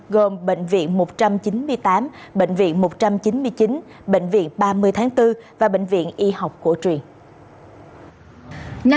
gồm bệnh viện một trăm chín mươi tám bệnh viện một trăm chín mươi chín bệnh viện ba mươi tháng bốn và bệnh viện y học cổ truyền